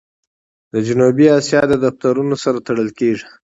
د جنوبي آسیا د دفترونو سره تړل کېږي.